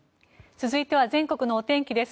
続いては全国のお天気です。